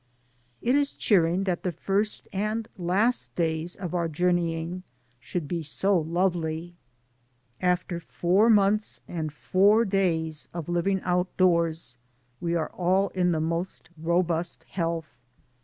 It is cheering 26o DAYS ON THE ROAD, that the first and last days of our journeying should be so lovely. After four months and four days of living outdoors we are all in the most robust health.